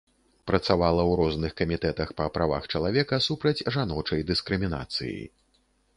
Працавала ў розных камітэтах па правах чалавека, супраць жаночай дыскрымінацыі.